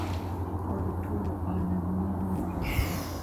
او د ټولو عالميانو رب دى.